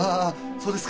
そうですか。